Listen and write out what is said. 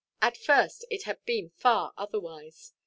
At first, it had been far otherwise.